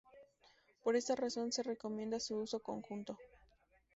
Por esta razón se recomienda su uso conjunto.